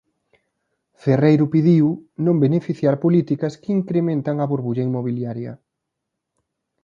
Ferreiro pediu "non beneficiar políticas que incrementan a burbulla inmobiliaria".